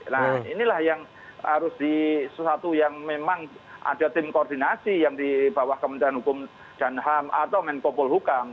nah inilah yang harus di sesuatu yang memang ada tim koordinasi yang di bawah kementerian hukum dan ham atau menkopol hukam